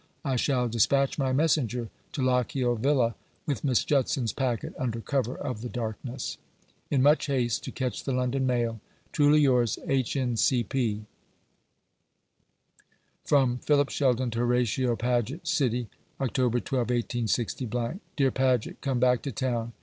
I shall despatch my messenger to Lochiel Villa, with Miss Judson's packet, under cover of the darkness. In much haste, to catch the London mail, Truly yours, H.N.C.P. From Philip Sheldon to Horatio Paget. City, Oct. 12, 186 Dear Paget, Come back to town.